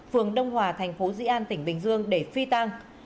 phường đông hòa tp di an tỉnh bình dương để phi tăng